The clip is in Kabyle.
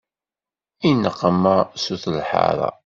I neqma sut lḥara.